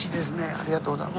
ありがとうございます。